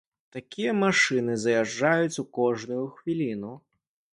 Такія машыны заязджаюць тут кожную хвіліну.